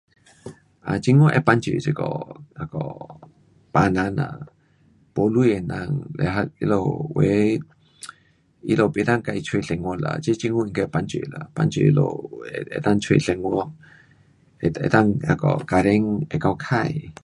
啊政府要帮助这个那个病人呐，没钱的人，嘞还他们有的，um 意思不能自找生活啦，这政府该帮助啦，帮助他们有能够找生活，能，能够那个家庭能够花。